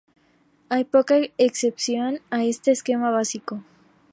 Hay pocas excepciones a este esquema básico.